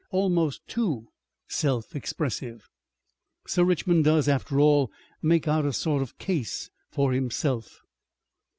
Almost too selfexpressive. "Sir Richmond does, after all, make out a sort of case for himself....